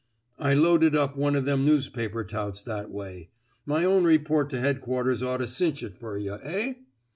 ^^ I loaded up one o' them newspaper touts that way. My own report to Headquarters ought to cinch it fer yuh, eh!